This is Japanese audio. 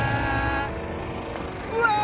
うわ！